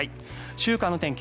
週間の天気